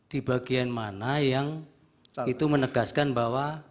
di bagian mana yang itu menegaskan bahwa